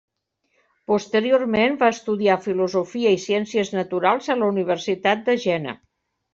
Posteriorment, va estudiar filosofia i ciències naturals a la Universitat de Jena.